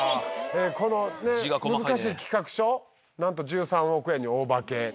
このね難しい企画書なんと１３億円に大化け。